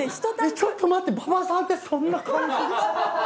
ちょっと待って馬場さんってそんな感じでした？